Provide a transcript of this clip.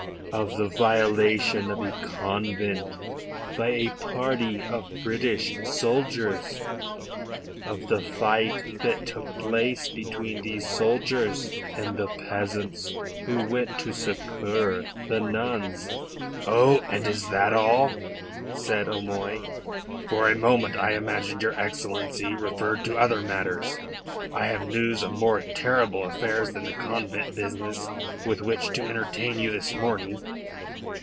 Of the violation of a convent by a party of British soldiers? Of the fight that took place between these soldiers and the peasants who went to succour the nuns?" "Oh, and is that all?" said O'Moy. "For a moment I imagined your Excellency referred to other matters. I have news of more terrible affairs than the convent business with which to entertain you this morning."